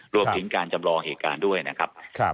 รวมถึงการจำลองเหตุการณ์ด้วยนะครับ